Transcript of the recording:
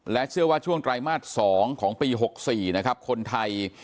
และเชื่อว่าช่วงไตรมาส๒ของปี๖๔คนไทย